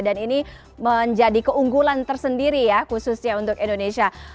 dan ini menjadi keunggulan tersendiri ya khususnya untuk indonesia